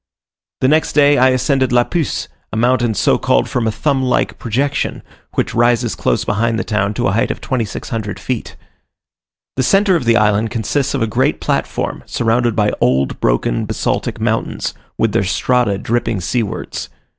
The next day I ascended La Pouce, a mountain so called from a thumb like projection, which rises close behind the town to a height of 2,600 feet. The centre of the island consists of a great platform, surrounded by old broken basaltic mountains, with their strata dipping seawards.